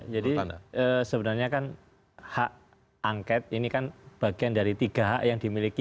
jadi sebenarnya kan hak angket ini kan bagian dari tiga hak yang dimiliki dpr